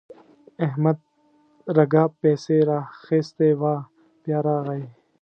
احمد رګه پسې راخيستې وه؛ بيا راغی.